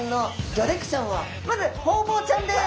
まずホウボウちゃんです！